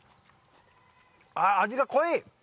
ああ味が濃い！